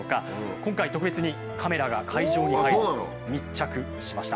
今回特別にカメラが会場に入り密着しました。